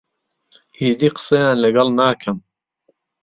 ئیدی قسەیان لەگەڵ ناکەم.